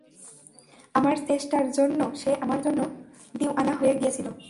আমার চেষ্টার জন্য সে আমার জন্য দিওয়ানা হয়ে গিয়েছিল।